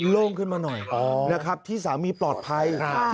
โล่งขึ้นมาหน่อยนะครับที่สามีปลอดภัย